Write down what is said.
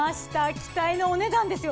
期待のお値段ですよ。